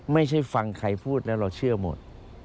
ไม่ใช่ฟังใครพูดแล้วเราเชื่อหมด